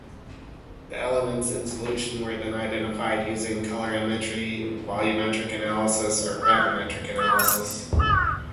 The elements in solution were then identified using colorimetry, volumetric analysis or gravimetric analysis.